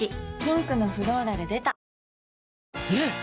ピンクのフローラル出たねえ‼